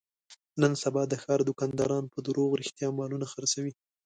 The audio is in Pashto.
نن سبا د ښاردوکانداران په دروغ رښتیا مالونه خرڅوي.